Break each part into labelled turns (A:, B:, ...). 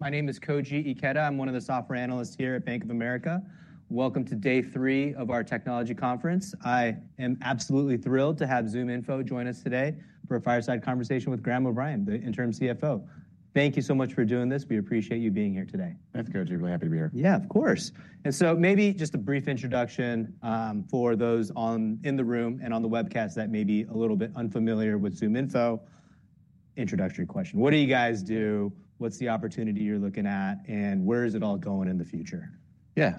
A: My name is Koji Ikeda. I'm one of the software analysts here at Bank of America. Welcome to day three of our technology conference. I am absolutely thrilled to have ZoomInfo join us today for a fireside conversation with Graham O'Brien, the Interim CFO. Thank you so much for doing this. We appreciate you being here today.
B: Thanks, Koji. Really happy to be here.
A: Yeah, of course. Maybe just a brief introduction for those in the room and on the webcast that may be a little bit unfamiliar with ZoomInfo. Introductory question: what do you guys do? What's the opportunity you're looking at? Where is it all going in the future?
B: Yeah,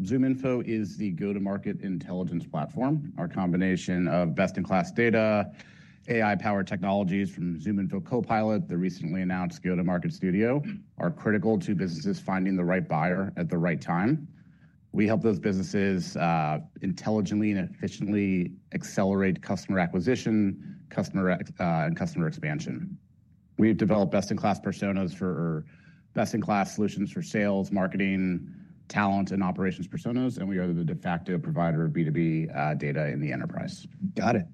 B: ZoomInfo is the go-to-market intelligence platform. Our combination of best-in-class data, AI-powered technologies from ZoomInfo Copilot, the recently announced Go-to-Market Studio, are critical to businesses finding the right buyer at the right time. We help those businesses intelligently and efficiently accelerate customer acquisition, customer and customer expansion. We've developed best-in-class personas for best-in-class solutions for sales, marketing, talent, and operations personas, and we are the de facto provider of B2B data in the enterprise.
A: Got it.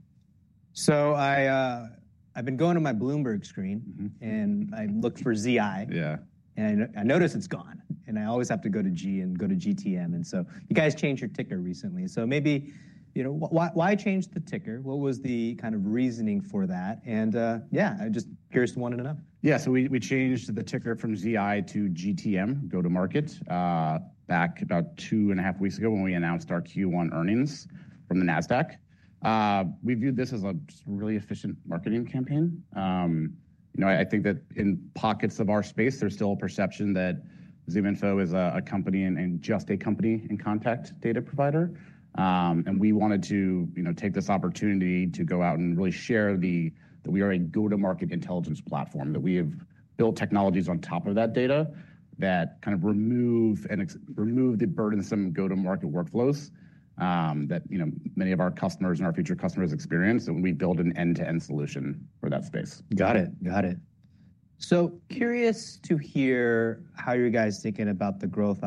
A: So I've been going to my Bloomberg screen, and I look for ZI.
B: Yeah.
A: I notice it's gone. I always have to go to G and go to GTM. You guys changed your ticker recently. Why change the ticker? What was the kind of reasoning for that? I'm just curious to want to know.
B: Yeah, so we changed the ticker from ZI to GTM, go-to-market, back about two and a half weeks ago when we announced our Q1 earnings from the NASDAQ. We viewed this as a really efficient marketing campaign. I think that in pockets of our space, there's still a perception that ZoomInfo is a company and just a company and contact data provider. We wanted to take this opportunity to go out and really share that we are a go-to-market intelligence platform, that we have built technologies on top of that data that kind of remove the burdensome go-to-market workflows that many of our customers and our future customers experience when we build an end-to-end solution for that space.
A: Got it. Got it. Curious to hear how you guys are thinking about the growth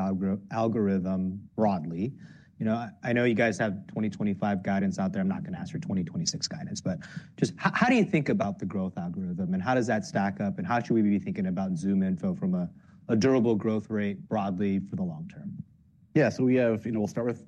A: algorithm broadly. I know you guys have 2025 guidance out there. I'm not going to ask for 2026 guidance, but just how do you think about the growth algorithm? How does that stack up? How should we be thinking about ZoomInfo from a durable growth rate broadly for the long term?
B: Yeah, so we'll start with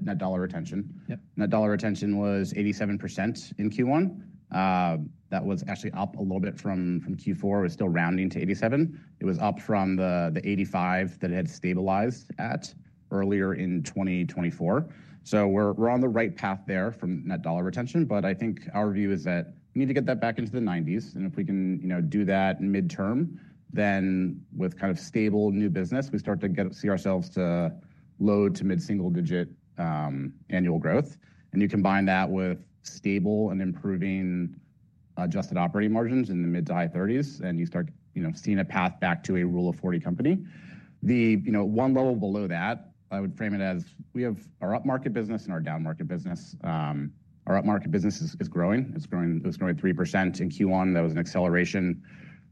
B: net dollar retention. Net dollar retention was 87% in Q1. That was actually up a little bit from Q4. It was still rounding to 87. It was up from the 85 that it had stabilized at earlier in 2024. We're on the right path there from net dollar retention. I think our view is that we need to get that back into the 90s. If we can do that midterm, then with kind of stable new business, we start to see ourselves to low to mid-single-digit annual growth. You combine that with stable and improving adjusted operating margins in the mid to high 30s, and you start seeing a path back to a rule of 40 company. One level below that, I would frame it as we have our up-market business and our down-market business. Our up-market business is growing. It's growing 3% in Q1. That was an acceleration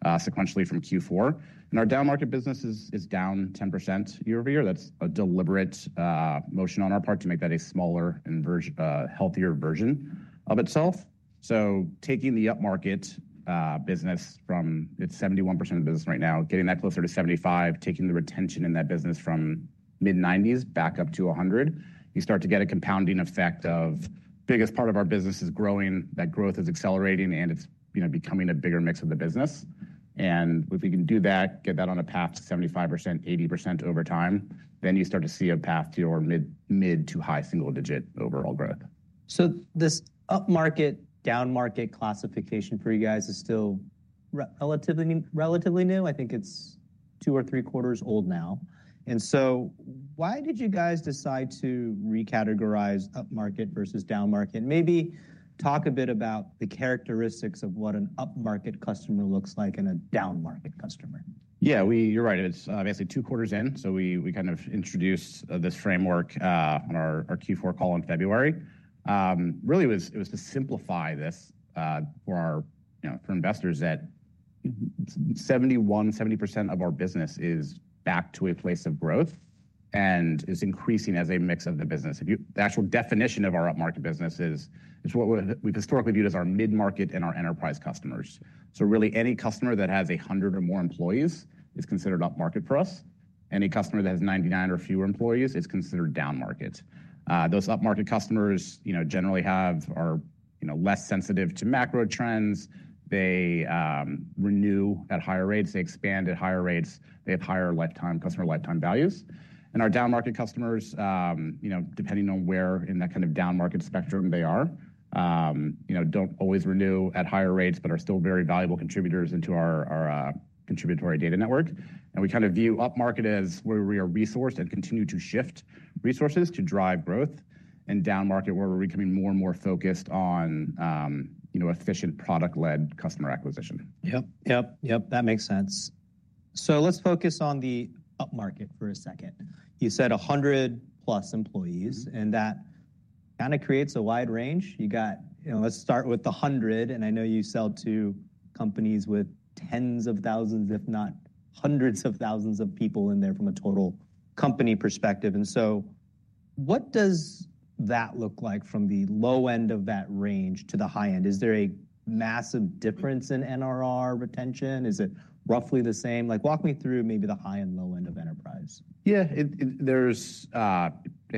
B: sequentially from Q4. Our down-market business is down 10% year- over- year. That's a deliberate motion on our part to make that a smaller and healthier version of itself. Taking the up-market business from its 71% of business right now, getting that closer to 75, taking the retention in that business from mid-90s back up to 100, you start to get a compounding effect of the biggest part of our business is growing. That growth is accelerating, and it's becoming a bigger mix of the business. If we can do that, get that on a path to 75% to 80% over time, you start to see a path to your mid to high single-digit overall growth.
A: This up-market, down-market classification for you guys is still relatively new. I think it's two or three quarters old now. Why did you guys decide to recategorize up-market versus down-market? Maybe talk a bit about the characteristics of what an up-market customer looks like and a down-market customer.
B: Yeah, you're right. It's basically two quarters in. So we kind of introduced this framework on our Q4 call in February. Really, it was to simplify this for investors that 71%, 70% of our business is back to a place of growth and is increasing as a mix of the business. The actual definition of our up-market business is what we've historically viewed as our mid-market and our enterprise customers. So really, any customer that has 100 or more employees is considered up-market for us. Any customer that has 99 or fewer employees is considered down-market. Those up-market customers generally are less sensitive to macro trends. They renew at higher rates. They expand at higher rates. They have higher customer lifetime values. Our down-market customers, depending on where in that kind of down-market spectrum they are, do not always renew at higher rates, but are still very valuable contributors into our contributory data network. We kind of view up-market as where we are resourced and continue to shift resources to drive growth, and down-market where we are becoming more and more focused on efficient product-led customer acquisition.
A: Yep. That makes sense. Let's focus on the up-market for a second. You said 100-plus employees, and that kind of creates a wide range. Let's start with the 100. I know you sell to companies with tens of thousands, if not hundreds of thousands of people in there from a total company perspective. What does that look like from the low end of that range to the high end? Is there a massive difference in NRR retention? Is it roughly the same? Walk me through maybe the high and low end of enterprise.
B: Yeah, I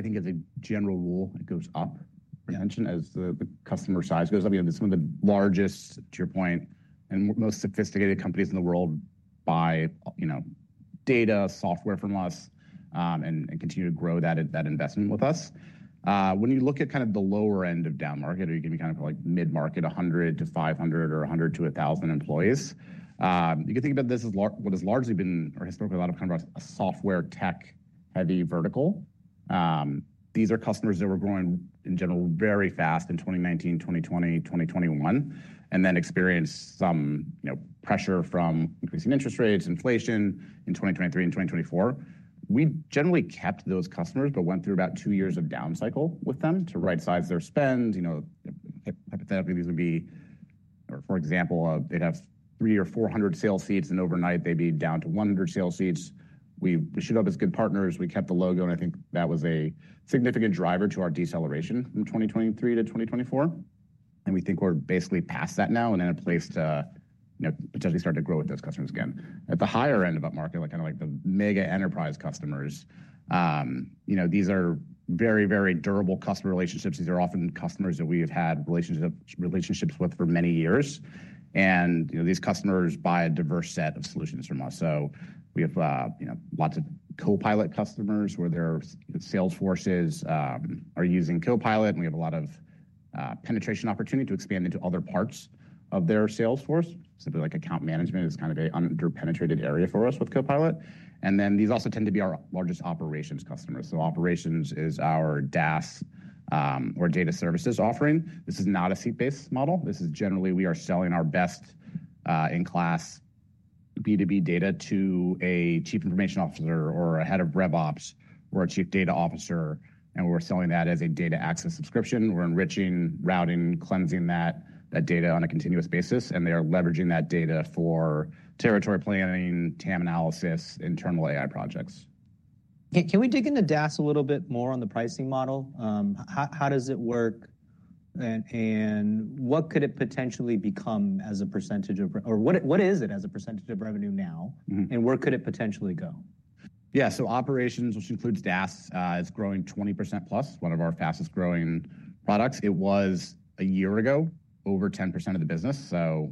B: think as a general rule, it goes up retention as the customer size goes up. Some of the largest, to your point, and most sophisticated companies in the world buy data, software from us, and continue to grow that investment with us. When you look at kind of the lower end of down-market, or you're giving kind of mid-market 100-500 or 100-1,000 employees, you can think about this as what has largely been, or historically, a lot of times a software tech-heavy vertical. These are customers that were growing in general very fast in 2019, 2020, 2021, and then experienced some pressure from increasing interest rates, inflation in 2023 and 2024. We generally kept those customers but went through about two years of down cycle with them to right-size their spend. Hypothetically, these would be, for example, they'd have three or 400 sales seats, and overnight they'd be down to 100 sales seats. We showed up as good partners. We kept the logo. I think that was a significant driver to our deceleration from 2023 to 2024. We think we're basically past that now and in a place to potentially start to grow with those customers again. At the higher end of up-market, kind of like the mega enterprise customers, these are very, very durable customer relationships. These are often customers that we have had relationships with for many years. These customers buy a diverse set of solutions from us. We have lots of Copilot customers where their sales forces are using Copilot. We have a lot of penetration opportunity to expand into other parts of their sales force. Something like account management is kind of an under-penetrated area for us with Copilot. These also tend to be our largest operations customers. Operations is our DAS or data services offering. This is not a seat-based model. Generally, we are selling our best-in-class B2B data to a Chief Information Officer or a head of RevOps or a Chief Data Officer. We are selling that as a data access subscription. We are enriching, routing, cleansing that data on a continuous basis. They are leveraging that data for territory planning, TAM analysis, internal AI projects.
A: Can we dig into DAS a little bit more on the pricing model? How does it work? What could it potentially become as a percentage of, or what is it as a percentage of revenue now? Where could it potentially go?
B: Yeah, so operations, which includes DAS, is growing 20% plus. One of our fastest-growing products. It was a year ago over 10% of the business, so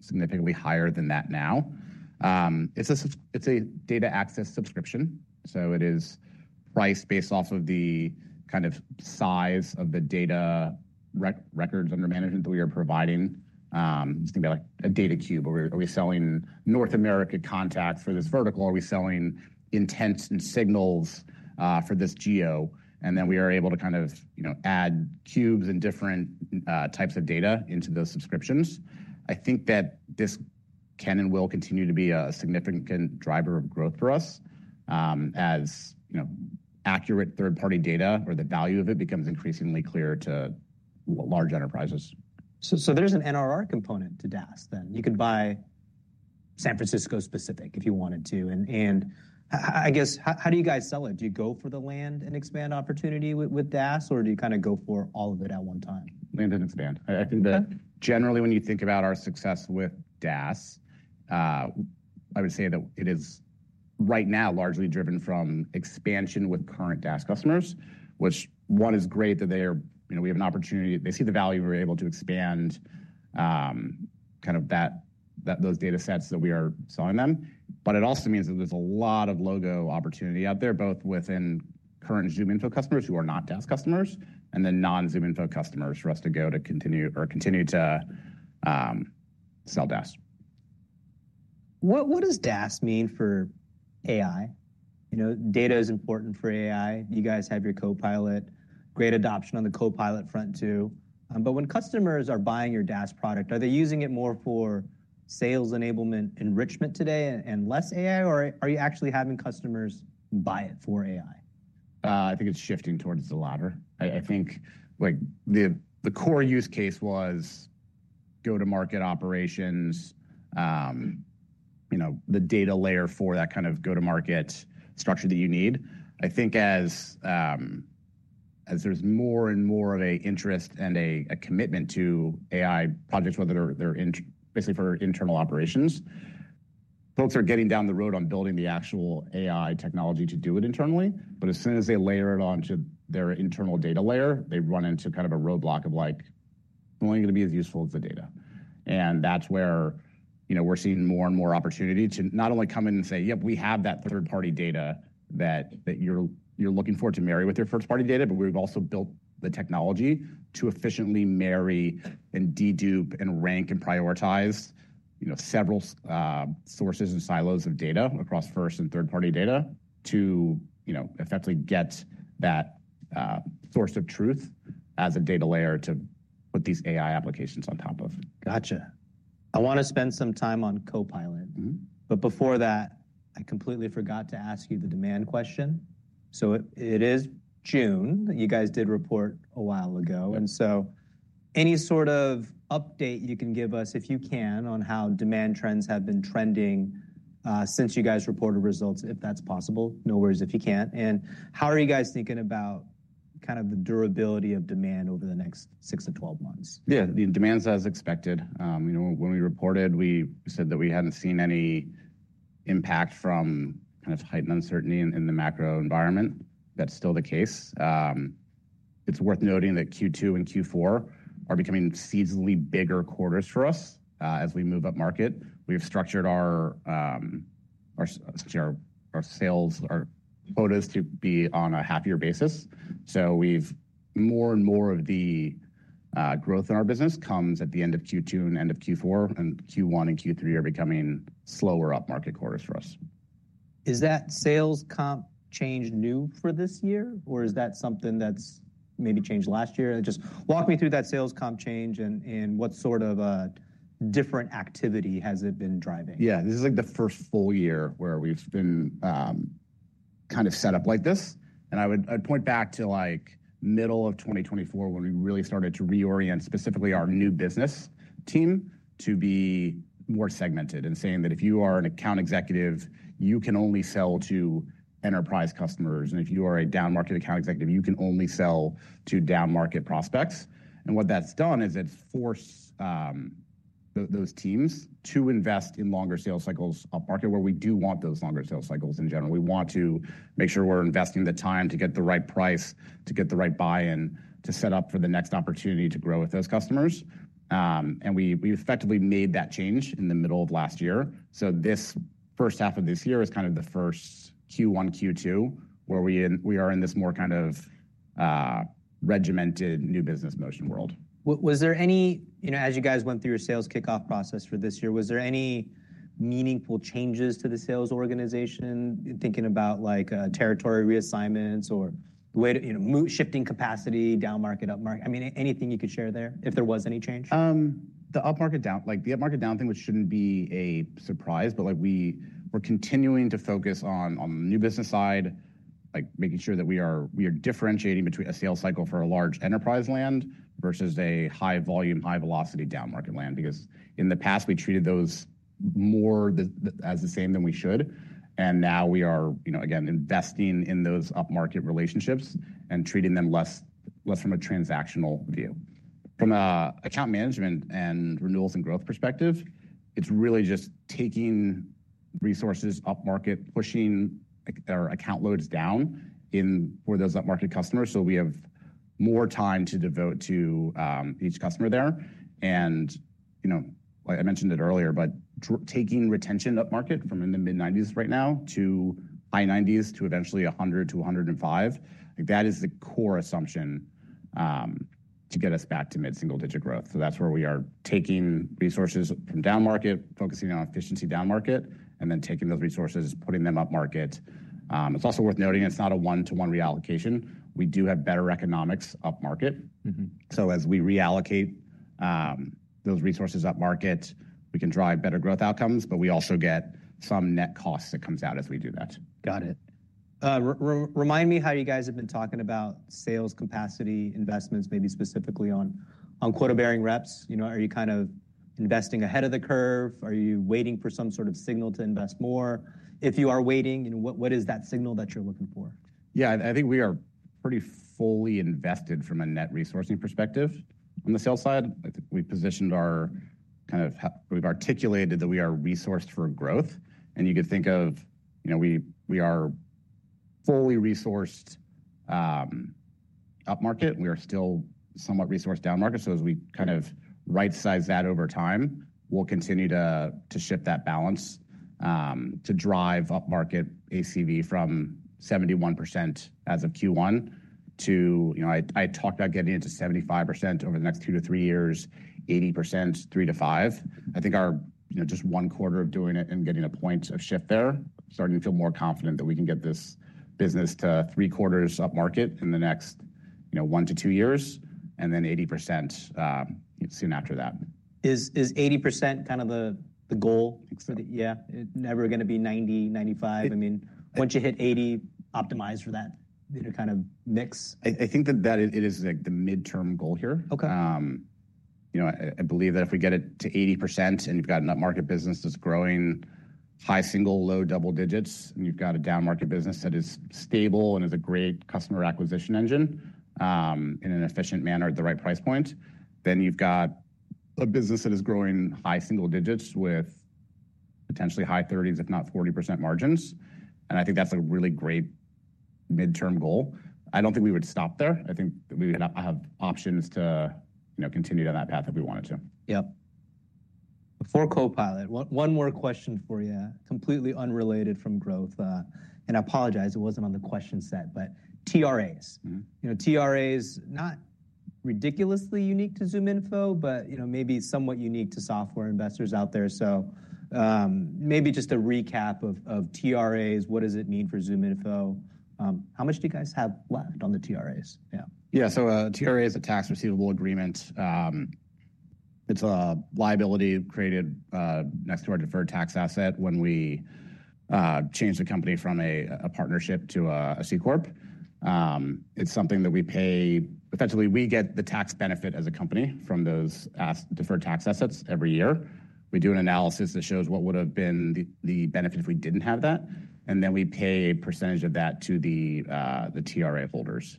B: significantly higher than that now. It's a data access subscription. It is priced based off of the kind of size of the data records under management that we are providing. It's going to be like a data cube. Are we selling North America contact for this vertical? Are we selling intents and signals for this geo? We are able to kind of add cubes and different types of data into those subscriptions. I think that this can and will continue to be a significant driver of growth for us as accurate third-party data or the value of it becomes increasingly clear to large enterprises.
A: There's an NRR component to DAS then. You could buy San Francisco specific if you wanted to. I guess, how do you guys sell it? Do you go for the land and expand opportunity with DAS, or do you kind of go for all of it at one time?
B: Land and expand. I think that generally when you think about our success with DAS, I would say that it is right now largely driven from expansion with current DAS customers, which one is great that we have an opportunity. They see the value we're able to expand kind of those data sets that we are selling them. It also means that there's a lot of logo opportunity out there, both within current ZoomInfo customers who are not DAS customers and then non-ZoomInfo customers for us to go to continue or continue to sell DAS.
A: What does DAS mean for AI? Data is important for AI. You guys have your Copilot. Great adoption on the Copilot front too. When customers are buying your DAS product, are they using it more for sales enablement enrichment today and less AI, or are you actually having customers buy it for AI?
B: I think it's shifting towards the latter. I think the core use case was go-to-market operations, the data layer for that kind of go-to-market structure that you need. I think as there's more and more of an interest and a commitment to AI projects, whether they're basically for internal operations, folks are getting down the road on building the actual AI technology to do it internally. As soon as they layer it onto their internal data layer, they run into kind of a roadblock of like, it's only going to be as useful as the data. That is where we're seeing more and more opportunity to not only come in and say, yep, we have that third-party data that you're looking forward to marry with your first-party data, but we've also built the technology to efficiently marry and dedupe and rank and prioritize several sources and silos of data across first and third-party data to effectively get that source of truth as a data layer to put these AI applications on top of.
A: Gotcha. I want to spend some time on Copilot. Before that, I completely forgot to ask you the demand question. It is June. You guys did report a while ago. Any sort of update you can give us, if you can, on how demand trends have been trending since you guys reported results, if that's possible? No worries if you can't. How are you guys thinking about the durability of demand over the next 6 to 12 months?
B: Yeah, the demand's as expected. When we reported, we said that we hadn't seen any impact from kind of heightened uncertainty in the macro environment. That's still the case. It's worth noting that Q2 and Q4 are becoming seasonally bigger quarters for us as we move up market. We have structured our sales, our quotas to be on a half-year basis. So more and more of the growth in our business comes at the end of Q2 and end of Q4. Q1 and Q3 are becoming slower up-market quarters for us.
A: Is that sales comp change new for this year, or is that something that's maybe changed last year? Just walk me through that sales comp change and what sort of different activity has it been driving?
B: Yeah, this is like the first full year where we've been kind of set up like this. I would point back to middle of 2024 when we really started to reorient specifically our new business team to be more segmented and saying that if you are an account executive, you can only sell to enterprise customers. If you are a down-market account executive, you can only sell to down-market prospects. What that's done is it's forced those teams to invest in longer sales cycles up market where we do want those longer sales cycles in general. We want to make sure we're investing the time to get the right price, to get the right buy-in, to set up for the next opportunity to grow with those customers. We effectively made that change in the middle of last year. This first half of this year is kind of the first Q1, Q2 where we are in this more kind of regimented new business motion world.
A: Was there any, as you guys went through your sales kickoff process for this year, was there any meaningful changes to the sales organization, thinking about territory reassignments or shifting capacity, down-market, up-market? I mean, anything you could share there if there was any change?
B: The up-market down, like the up-market down thing, which should not be a surprise, but we are continuing to focus on the new business side, making sure that we are differentiating between a sales cycle for a large enterprise land versus a high-volume, high-velocity down-market land. Because in the past, we treated those more as the same than we should. We are, again, investing in those up-market relationships and treating them less from a transactional view. From an account management and renewals and growth perspective, it is really just taking resources up-market, pushing our account loads down for those up-market customers so we have more time to devote to each customer there. Like I mentioned it earlier, but taking retention up-market from in the mid-90s right now to high 90s to eventually 100 to 105, that is the core assumption to get us back to mid-single-digit growth. That's where we are taking resources from down-market, focusing on efficiency down-market, and then taking those resources, putting them up-market. It's also worth noting it's not a one-to-one reallocation. We do have better economics up-market. As we reallocate those resources up-market, we can drive better growth outcomes, but we also get some net costs that come out as we do that.
A: Got it. Remind me how you guys have been talking about sales capacity investments, maybe specifically on quota-bearing reps. Are you kind of investing ahead of the curve? Are you waiting for some sort of signal to invest more? If you are waiting, what is that signal that you're looking for?
B: Yeah, I think we are pretty fully invested from a net resourcing perspective on the sales side. I think we positioned our kind of we've articulated that we are resourced for growth. You could think of we are fully resourced up-market. We are still somewhat resourced down-market. As we kind of right-size that over time, we'll continue to shift that balance to drive up-market ACV from 71% as of Q1 to I talked about getting it to 75% over the next two to three years, 80%, three to five. I think our just one quarter of doing it and getting a point of shift there, starting to feel more confident that we can get this business to three quarters up-market in the next one to two years, and then 80% soon after that.
A: Is 80% kind of the goal?
B: Exactly.
A: Yeah? Never going to be 90, 95%? I mean, once you hit 80%, optimize for that kind of mix?
B: I think that is the midterm goal here. I believe that if we get it to 80% and you've got an up-market business that's growing high single, low double digits, and you've got a down-market business that is stable and is a great customer acquisition engine in an efficient manner at the right price point, then you've got a business that is growing high single digits with potentially high 30s, if not 40% margins. I think that's a really great midterm goal. I don't think we would stop there. I think we would have options to continue down that path if we wanted to.
A: Yep. Before Copilot, one more question for you, completely unrelated from growth. I apologize. It wasn't on the question set, but TRAs. TRAs, not ridiculously unique to ZoomInfo, but maybe somewhat unique to software investors out there. Maybe just a recap of TRAs. What does it mean for ZoomInfo? How much do you guys have left on the TRAs? Yeah.
B: Yeah, so TRA is a tax receivable agreement. It's a liability created next to our deferred tax asset when we changed the company from a partnership to a C Corp. It's something that we pay effectively. We get the tax benefit as a company from those deferred tax assets every year. We do an analysis that shows what would have been the benefit if we didn't have that. We pay a percentage of that to the TRA holders.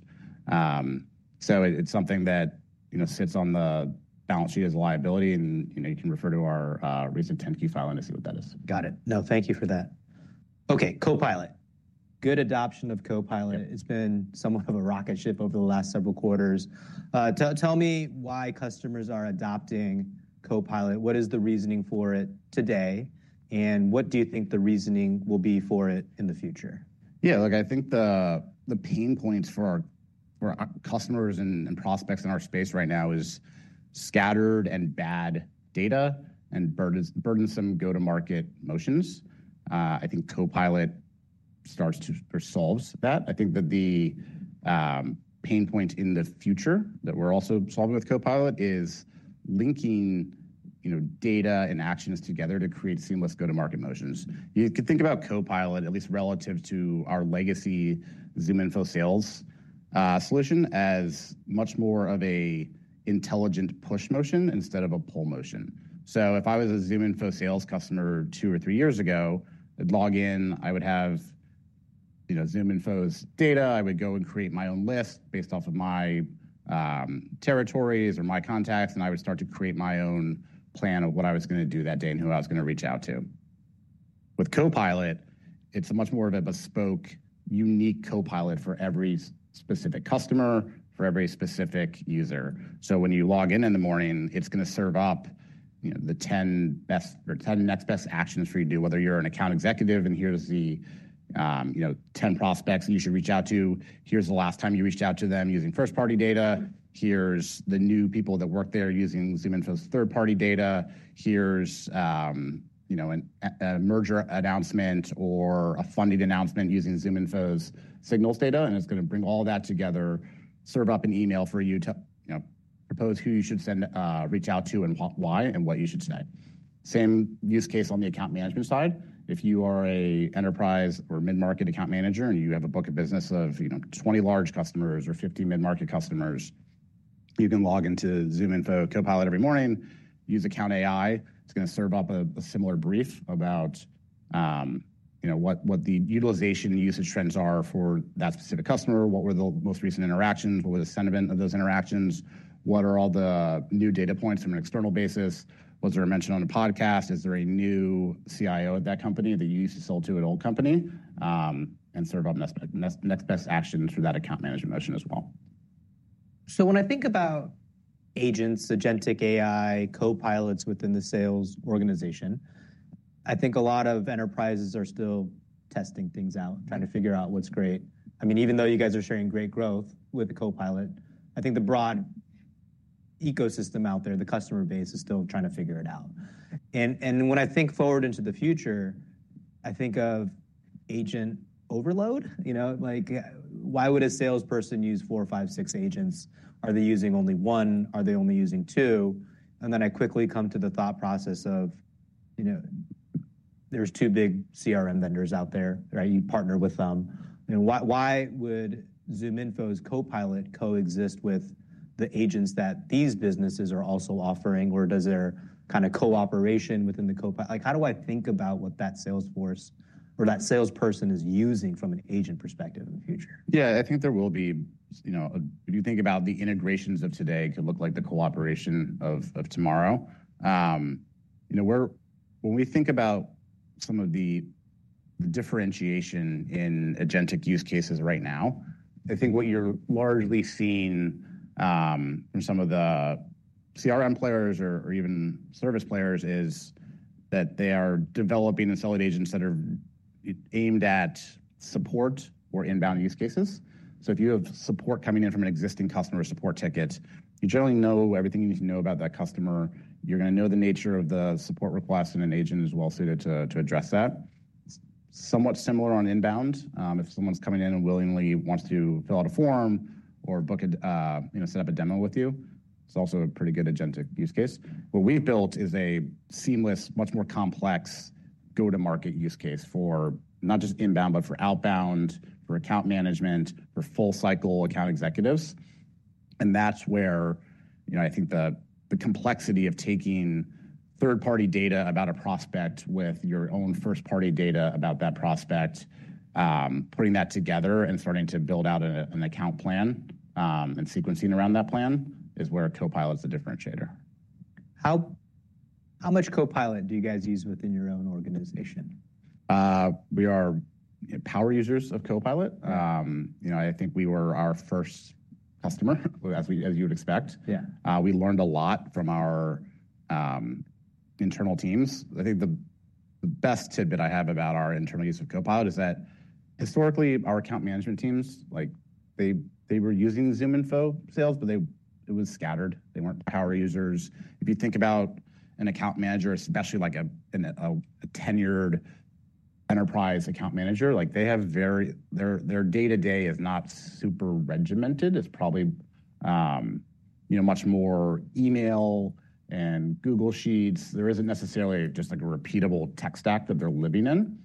B: It's something that sits on the balance sheet as a liability. You can refer to our recent 10Q filing to see what that is.
A: Got it. No, thank you for that. Okay, Copilot. Good adoption of Copilot. It's been somewhat of a rocket ship over the last several quarters. Tell me why customers are adopting Copilot. What is the reasoning for it today? What do you think the reasoning will be for it in the future?
B: Yeah, look, I think the pain points for our customers and prospects in our space right now is scattered and bad data and burdensome go-to-market motions. I think Copilot starts to or solves that. I think that the pain point in the future that we're also solving with Copilot is linking data and actions together to create seamless go-to-market motions. You could think about Copilot, at least relative to our legacy ZoomInfo Sales solution, as much more of an intelligent push motion instead of a pull motion. If I was a ZoomInfo Sales customer two or three years ago, I'd log in. I would have ZoomInfo's data. I would go and create my own list based off of my territories or my contacts. I would start to create my own plan of what I was going to do that day and who I was going to reach out to. With Copilot, it's much more of a bespoke, unique Copilot for every specific customer, for every specific user. When you log in in the morning, it's going to serve up the 10 best or 10 next best actions for you to do, whether you're an account executive and here's the 10 prospects you should reach out to. Here's the last time you reached out to them using first-party data. Here's the new people that work there using ZoomInfo's third-party data. Here's a merger announcement or a funding announcement using ZoomInfo's signals data. It's going to bring all that together, serve up an email for you to propose who you should reach out to and why and what you should say. Same use case on the account management side. If you are an enterprise or mid-market account manager and you have a book of business of 20 large customers or 50 mid-market customers, you can log into ZoomInfo Copilot every morning, use Account AI. It's going to serve up a similar brief about what the utilization usage trends are for that specific customer. What were the most recent interactions? What were the sentiment of those interactions? What are all the new data points from an external basis? Was there a mention on a podcast? Is there a new CIO at that company that you used to sell to at an old company? And serve up next best actions for that account management motion as well.
A: When I think about agents, agentic AI, Copilots within the sales organization, I think a lot of enterprises are still testing things out, trying to figure out what's great. I mean, even though you guys are sharing great growth with Copilot, I think the broad ecosystem out there, the customer base, is still trying to figure it out. When I think forward into the future, I think of agent overload. Why would a salesperson use four, five, six agents? Are they using only one? Are they only using two? I quickly come to the thought process of there's two big CRM vendors out there. You partner with them. Why would ZoomInfo's Copilot coexist with the agents that these businesses are also offering? Or does there kind of cooperation within the Copilot? How do I think about what that salesforce or that salesperson is using from an agent perspective in the future?
B: Yeah, I think there will be, if you think about the integrations of today, it could look like the cooperation of tomorrow. When we think about some of the differentiation in agentic use cases right now, I think what you're largely seeing from some of the CRM players or even service players is that they are developing and selling agents that are aimed at support or inbound use cases. If you have support coming in from an existing customer support ticket, you generally know everything you need to know about that customer. You're going to know the nature of the support request and an agent is well suited to address that. It's somewhat similar on inbound. If someone's coming in and willingly wants to fill out a form or set up a demo with you, it's also a pretty good agentic use case. What we've built is a seamless, much more complex go-to-market use case for not just inbound, but for outbound, for account management, for full-cycle account executives. That is where I think the complexity of taking third-party data about a prospect with your own first-party data about that prospect, putting that together and starting to build out an account plan and sequencing around that plan is where Copilot's a differentiator.
A: How much Copilot do you guys use within your own organization?
B: We are power users of Copilot. I think we were our first customer, as you would expect. We learned a lot from our internal teams. I think the best tidbit I have about our internal use of Copilot is that historically, our account management teams, they were using ZoomInfo Sales, but it was scattered. They were not power users. If you think about an account manager, especially like a tenured enterprise account manager, their day-to-day is not super regimented. It is probably much more email and Google Sheets. There is not necessarily just like a repeatable tech stack that they are living in.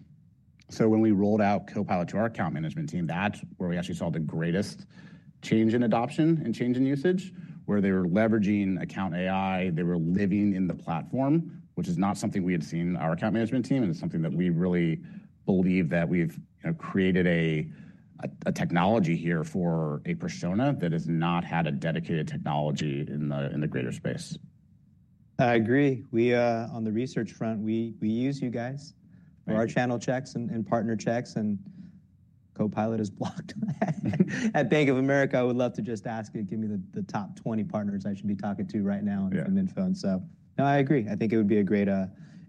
B: When we rolled out Copilot to our account management team, that is where we actually saw the greatest change in adoption and change in usage, where they were leveraging Account AI. They were living in the platform, which is not something we had seen in our account management team. It's something that we really believe that we've created a technology here for a persona that has not had a dedicated technology in the greater space.
A: I agree. On the research front, we use you guys for our channel checks and partner checks. Copilot is blocked at Bank of America. I would love to just ask you, give me the top 20 partners I should be talking to right now in ZoomInfo. No, I agree. I think it would be a great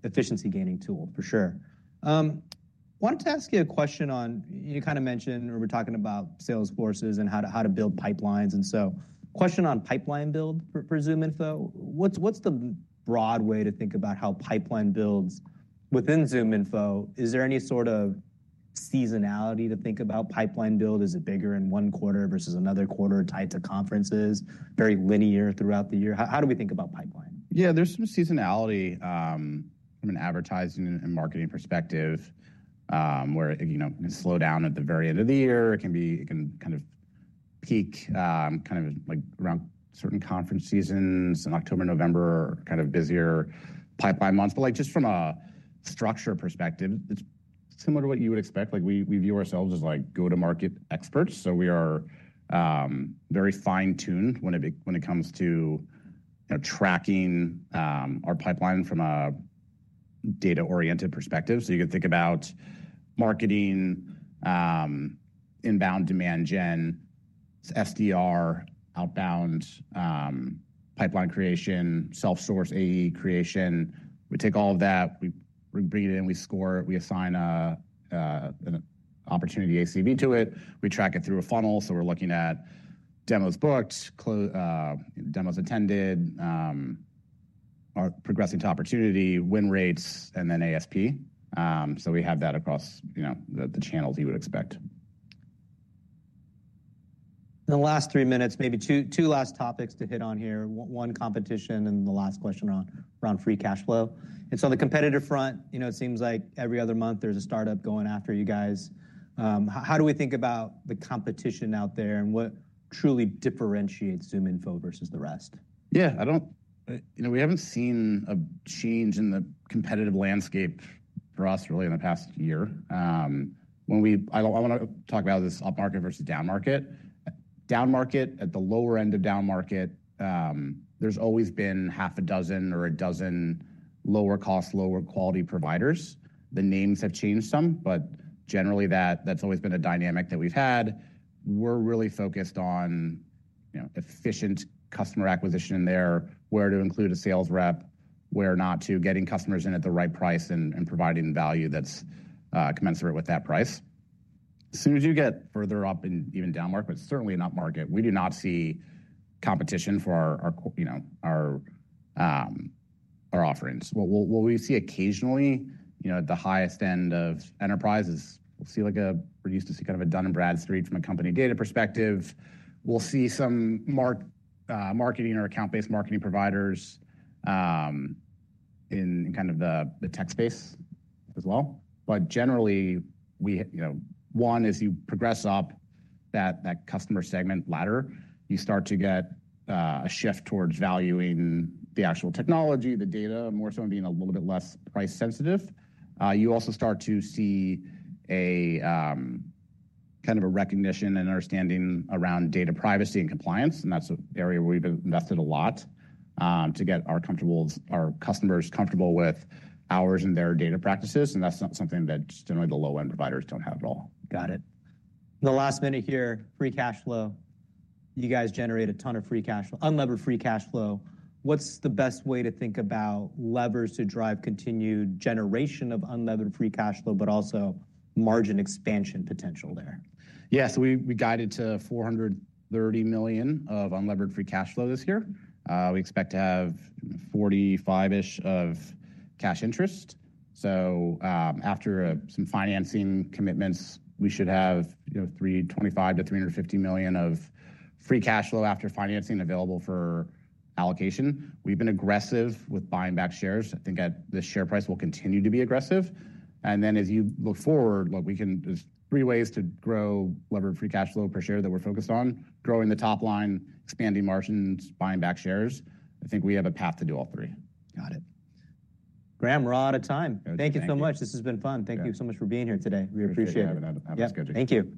A: efficiency-gaining tool, for sure. I wanted to ask you a question on, you kind of mentioned or were talking about salesforces and how to build pipelines. Question on pipeline build for ZoomInfo. What is the broad way to think about how pipeline builds within ZoomInfo? Is there any sort of seasonality to think about pipeline build? Is it bigger in one quarter versus another quarter tied to conferences, very linear throughout the year? How do we think about pipeline?
B: Yeah, there's some seasonality from an advertising and marketing perspective where it can slow down at the very end of the year. It can kind of peak kind of around certain conference seasons in October, November, kind of busier pipeline months. Just from a structure perspective, it's similar to what you would expect. We view ourselves as go-to-market experts. We are very fine-tuned when it comes to tracking our pipeline from a data-oriented perspective. You could think about marketing, inbound demand gen, SDR, outbound pipeline creation, self-source AE creation. We take all of that. We bring it in. We score it. We assign an opportunity ACV to it. We track it through a funnel. We are looking at demos booked, demos attended, progressing to opportunity, win rates, and then ASP. We have that across the channels you would expect.
A: In the last three minutes, maybe two last topics to hit on here. One, competition, and the last question around free cash flow. On the competitive front, it seems like every other month there's a startup going after you guys. How do we think about the competition out there and what truly differentiates ZoomInfo versus the rest?
B: Yeah, we haven't seen a change in the competitive landscape for us really in the past year. I want to talk about this upmarket versus downmarket. Downmarket, at the lower end of downmarket, there's always been half a dozen or a dozen lower-cost, lower-quality providers. The names have changed some, but generally, that's always been a dynamic that we've had. We're really focused on efficient customer acquisition there, where to include a sales rep, where not to, getting customers in at the right price and providing value that's commensurate with that price. As soon as you get further up in even downmarket, but certainly in upmarket, we do not see competition for our offerings. What we see occasionally, the highest end of enterprises, we'll see like a we used to see kind of a Dun & Bradstreet from a company data perspective. We'll see some marketing or account-based marketing providers in kind of the tech space as well. Generally, one, as you progress up that customer segment ladder, you start to get a shift towards valuing the actual technology, the data, more so being a little bit less price sensitive. You also start to see kind of a recognition and understanding around data privacy and compliance. That's an area where we've invested a lot to get our customers comfortable with ours and their data practices. That's not something that generally the low-end providers don't have at all.
A: Got it. The last minute here, free cash flow. You guys generate a ton of free cash flow, unlevered free cash flow. What's the best way to think about levers to drive continued generation of unlevered free cash flow, but also margin expansion potential there?
B: Yeah, so we guided to $430 million of unlevered free cash flow this year. We expect to have $45-ish of cash interest. After some financing commitments, we should have $325-$350 million of free cash flow after financing available for allocation. We've been aggressive with buying back shares. I think the share price will continue to be aggressive. As you look forward, there are three ways to grow levered free cash flow per share that we're focused on: growing the top line, expanding margins, buying back shares. I think we have a path to do all three.
A: Got it. Graham, we're out of time. Thank you so much. This has been fun. Thank you so much for being here today. We appreciate it.
B: Thank you for having us. Have a good day.
A: Thank you.